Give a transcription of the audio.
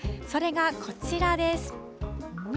それがこちらです。